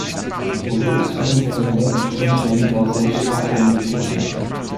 Die Produktion von Lautsprechern war sehr stark eingeschränkt.